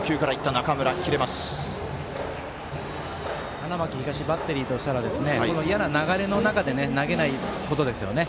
花巻東バッテリーとしたらこの嫌な流れの中で投げないことですよね。